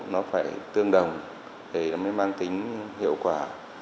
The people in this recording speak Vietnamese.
nó phải tương đồng để nó mới mang tính hiệu quả